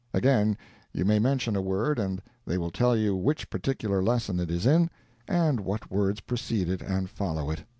Again, you may mention a word and they will tell you which particular lesson it is in, and what words precede it and follow it.